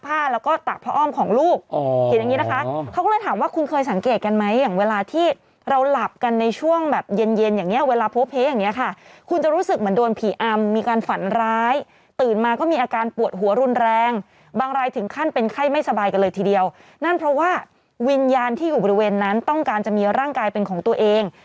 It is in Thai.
ไม่แล้วเขาไม่เอาแล้วเขาเขาเขาไม่เป็นเขาเขาเขาไม่ยุ่งการเมือง